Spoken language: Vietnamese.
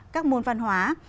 các môn văn hóa